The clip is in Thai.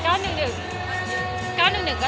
ได้เวลาแล้วนะคะ